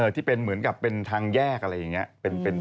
ที่เป็นเหมือนกับเป็นทางแยกอะไรอย่างนี้